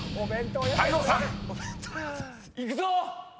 ［泰造さん］いくぞ！